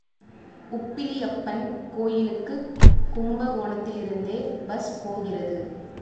Oppiliappan கோயிலுக்குக் கும்பகோணத்திலிருந்தே bus போகிறது.